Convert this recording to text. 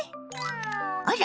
あら！